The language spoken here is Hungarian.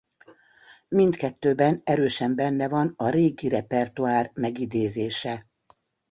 Mindkettőben erősen benne van a régi repertoár megidézése.